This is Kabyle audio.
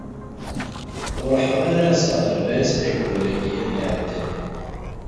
Ur ruḥeɣ ara s aɣerbaz ayyur-ayi iɛeddan.